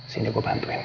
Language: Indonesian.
sini gue bantuin